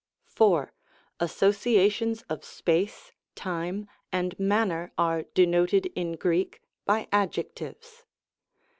4. Associations of space, time, and manner, are denoted in Greek by adjectives.